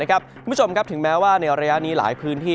คุณผู้ชมครับถึงแม้ว่าในระยะนี้หลายพื้นที่